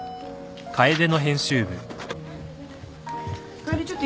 楓ちょっといい？